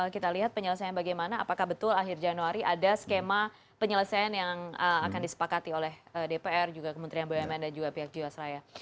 kita lihat penyelesaian bagaimana apakah betul akhir januari ada skema penyelesaian yang akan disepakati oleh dpr juga kementerian bumn dan juga pihak jiwasraya